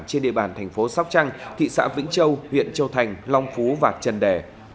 trên địa bàn thành phố sóc trăng thị xã vĩnh châu huyện châu thành long phú và trần đè